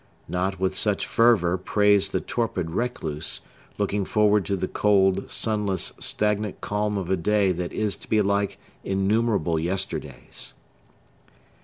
Not with such fervor prays the torpid recluse, looking forward to the cold, sunless, stagnant calm of a day that is to be like innumerable yesterdays.